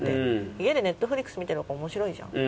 家でネットフリックス観てるほうがおもしろいじゃん。